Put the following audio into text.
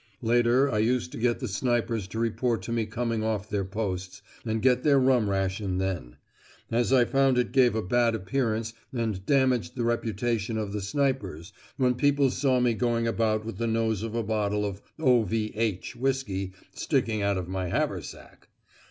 (Later I used to get the snipers to report to me coming off their posts, and get their rum ration then; as I found it gave a bad appearance and damaged the reputation of the snipers when people saw me going about with the nose of a bottle of "O.V.H." whiskey sticking out of my haversack!)